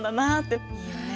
いいよね。